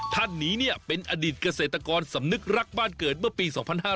ท่านนี้เป็นอดีตเกษตรกรสำนึกรักบ้านเกิดเมื่อปี๒๕๕๙